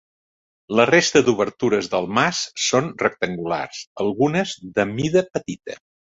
La resta d'obertures del mas són rectangulars, algunes de mida petita.